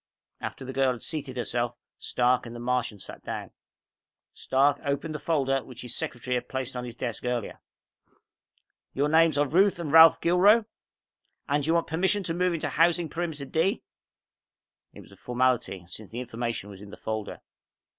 After the girl had seated herself, Stark and the Martian sat down. Stark opened the folder, which his secretary had placed on his desk earlier. "Your names are Ruth and Ralph Gilraut? And you want permission to move into Housing Perimeter D?" It was merely a formality, since the information was in the folder.